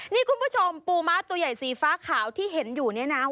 นี่คุณผู้ชมปูม้าตัวใหญ่สีฟ้าขาวที่เห็นอยู่เนี่ยนะ